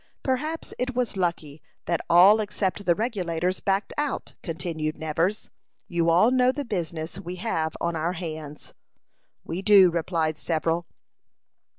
Perhaps it was lucky that all except the Regulators backed out," continued Nevers. "You all know the business we have on our hands." "We do," replied several.